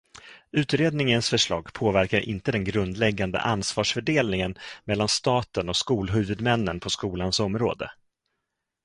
Utredningens förslag påverkar inte den grundläggande ansvarsfördelningen mellan staten och skolhuvudmännen på skolans område.